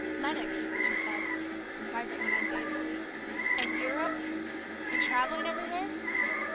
"Lenox, she said," Margaret went on dazedly; "and Europe, and travelling everywhere!